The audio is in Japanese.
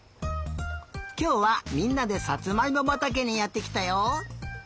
きょうはみんなでサツマイモばたけにやってきたよ。